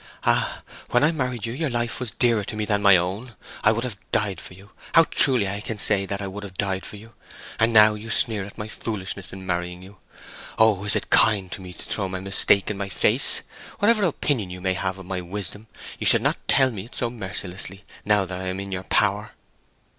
Ah! when I married you your life was dearer to me than my own. I would have died for you—how truly I can say that I would have died for you! And now you sneer at my foolishness in marrying you. O! is it kind to me to throw my mistake in my face? Whatever opinion you may have of my wisdom, you should not tell me of it so mercilessly, now that I am in your power."